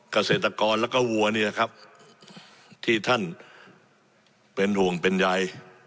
เกษตรกรแล้วก็วัวนี่แหละครับที่ท่านเป็นห่วงเป็นใย